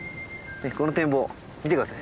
この展望見て下さい。